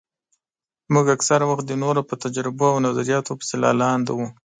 موږ اکثره وخت د نورو په تجربو او نظرياتو پسې لالهانده وو.